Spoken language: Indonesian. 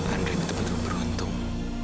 andri betul betul beruntung